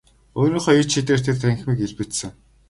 Өөрийнхөө ид шидээр тэр танхимыг илбэдсэн.